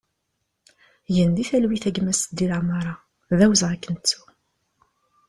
Gen di talwit a gma Seddi Lamara, d awezɣi ad k-nettu!